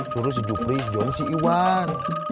suruh si jupri si joni si iwan